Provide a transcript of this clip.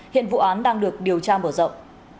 hiện vụ án đang được điều tra mở rộng